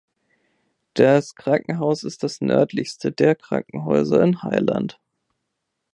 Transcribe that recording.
Das Krankenhaus ist das nördlichste der Krankenhäuser in Highland.